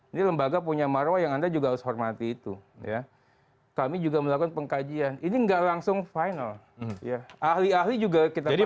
ini lembaga punya marwah yang anda juga harus hormati itu kami juga melakukan pengkajian ini enggak langsung final ahli ahli juga kita punya